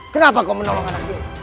kenapa kau menolong anak itu